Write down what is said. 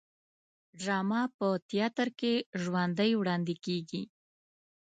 ډرامه په تیاتر کې ژوندی وړاندې کیږي